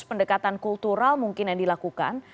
pendekatan kultural mungkin yang dilakukan